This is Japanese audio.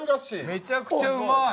めちゃくちゃうまい。